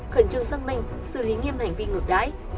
khẩn trương xác minh xử lý nghiêm hành vi ngược đáy